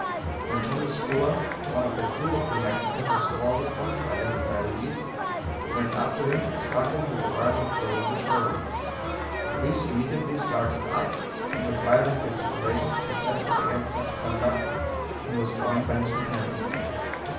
When Thomas Fuller, one of the crew of the Mexican was called upon to identify Ruiz, he went up to him and struck him a violent blow on the shoulder. Ruiz immediately started up, and with violent gesticulations protested against such conduct, and was joined by his companions.